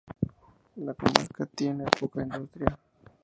La comarca tiene poca industria.